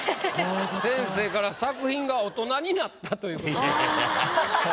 先生から「作品が大人になった！」ということで。